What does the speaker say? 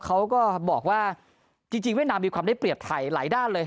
เขาก็บอกว่าจริงเวียดนามมีความได้เปรียบไทยหลายด้านเลย